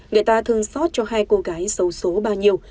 người ta thường xót cho hai cô gái xấu xố bao nhiêu